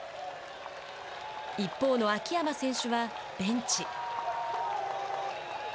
一方の秋山選手はベンチ。